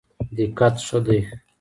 دقت ښه دی.